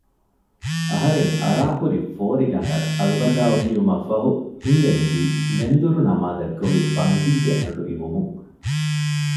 އަހަރެން އަރާހުރި ފޯރިގަނޑަށް އަލްވަދާއު ކިޔުމަށްފަހު ހިންދެމިލީ މެންދުރު ނަމާދަށް ގޮވި ބަންގީގެ އަޑު އިވުމުން